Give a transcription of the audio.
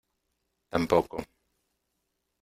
tampoco.